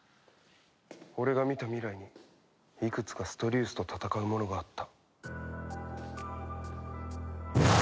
俺が見た未来にいくつかストリウスと戦うものがあった。